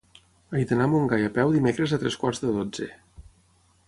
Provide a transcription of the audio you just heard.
He d'anar a Montgai a peu dimecres a tres quarts de dotze.